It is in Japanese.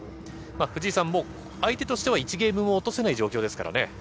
藤井さん、相手としては１ゲームも落とせない状況です。